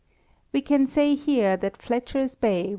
We can say 'here that Fetcher's bay.